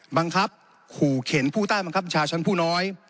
บังคับขู่เข็นผู้ใต้บังคับบัญชาชั้นผู้น้อย